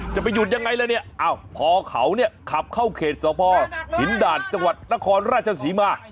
จะไปหยุดยังไงล่ะเนี่ยพอเขาเนี่ยขับเข้าเขตสพหินดาดจังหวัดนครราชศรีมา